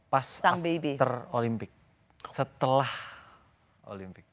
pas after olimpik setelah olimpik